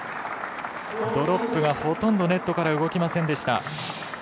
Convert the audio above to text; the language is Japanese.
ドロップがほとんどネットから動きませんでした。